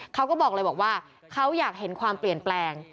เขาบอกเลยบอกว่าเขาอยากเห็นความเปลี่ยนแปลง